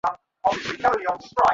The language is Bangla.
তোমার মত নেই।